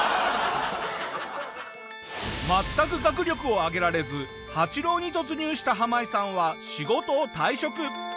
全く学力を上げられず８浪に突入したハマイさんは仕事を退職。